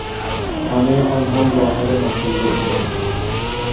خانهی آنها ظاهر مخروبهای داشت.